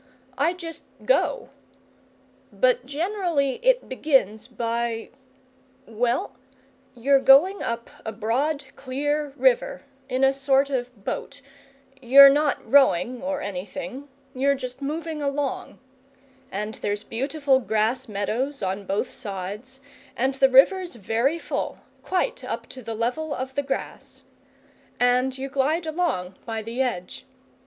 "I just go. But generally it begins by well, you're going up a broad, clear river in a sort of a boat. You're not rowing or anything you're just moving along. And there's beautiful grass meadows on both sides, and the river's very full, quite up to the level of the grass. And you glide along by the edge.